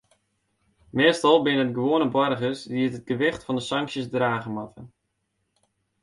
Meastal binne it de gewoane boargers dy't it gewicht fan de sanksjes drage moatte.